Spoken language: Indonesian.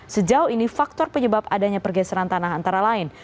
sejauh ini faktor penyebab adanya pergeseran tanah antara lain